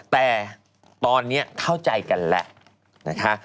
แต่ตอนนี้เข้าใจกันแล้วนะคะ